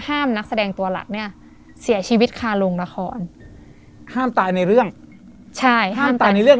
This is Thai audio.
นักแสดงตัวหลักเนี่ยเสียชีวิตคาโรงละครห้ามตายในเรื่องใช่ห้ามตายในเรื่อง